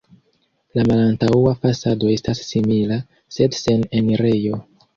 La malantaŭa fasado estas simila, sed sen enirejo.